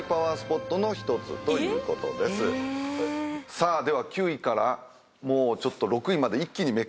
さあでは９位から６位まで一気にめくっていきますんで。